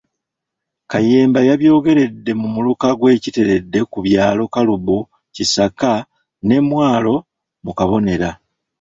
Kayemba yabyogeredde mu Muluka gw'e Kiteredde ku byalo Kyalubu, Kisaaka ne Mwalo mu Kabonera.